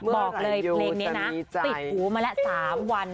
บอกเลยเพลงนี้นะปิดหูมาแล้ว๓วัน